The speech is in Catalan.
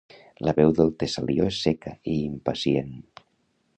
La veu del Tesalio és seca i impacient.